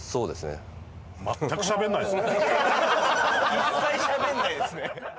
一切しゃべらないですね。